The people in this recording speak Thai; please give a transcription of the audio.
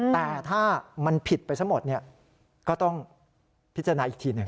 แต่ถ้ามันผิดไปซะหมดก็ต้องพิจารณาอีกทีหนึ่ง